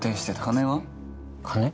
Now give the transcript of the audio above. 金？